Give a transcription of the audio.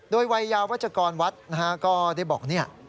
โดยวัยยาวัชกรวัดนะฮะก็ได้บอกเนี่ย